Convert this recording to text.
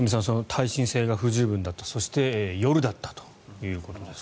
耐震性が不十分だったそして夜だったということです。